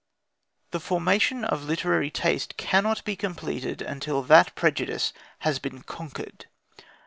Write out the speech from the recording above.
The formation of literary taste cannot be completed until that prejudice has been conquered.